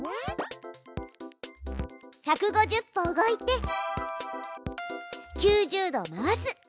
１５０歩動いて９０度回す。